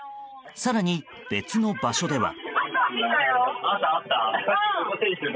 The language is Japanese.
更に別の場所では。